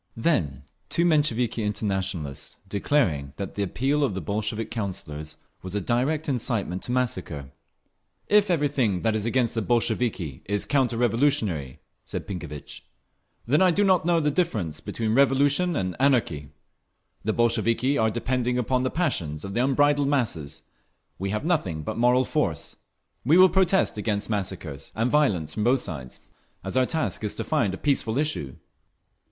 Then two Mensheviki Internationalists, declaring that the Appeal of the Bolshevik Councillors was a direct incitement to massacre. "If everything that is against the Bolsheviki is counter revolutionary," said Pinkevitch, "then I do not know the difference between revolution and anarchy…. The Bolsheviki are depending upon the passions of the unbridled masses; we have nothing but moral force. We will protest against massacres and violence from both sides, as our task is to find a peaceful issue."